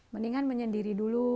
mendingan menyendiri dulu